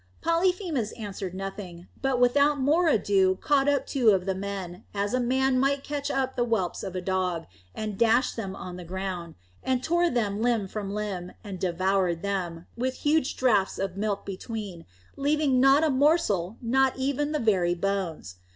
Polyphemus answered nothing, but without more ado caught up two of the men, as a man might catch up the whelps of a dog, and dashed them on the ground, and tore them limb from limb, and devoured them, with huge draughts of milk between, leaving not a morsel, not even the very bones.